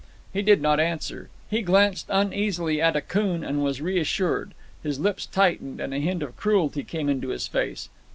He did not answer. He glanced uneasily at Akoon, and was reassured. His lips tightened, and a hint of cruelty came into his face.